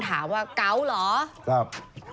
ถามว่าเกาหรออเจมส์ครับ